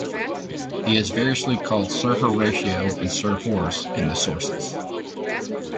He is variously called Sir Horatio and Sir Horace in the sources.